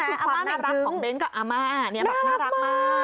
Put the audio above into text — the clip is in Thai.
อาร์ม่าแหม่งทึ้งแล้วคือความน่ารักของเบนท์กับอาร์ม่า